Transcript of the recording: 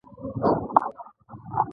سلطان به له خپلو نژدې امراوو سره ډوډۍ خوړه.